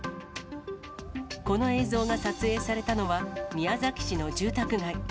この映像が撮影されたのは、宮崎市の住宅街。